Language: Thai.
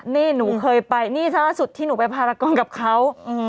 นี่หนูเคยไปนี่สารสุดที่หนูไปพารากรกับเขา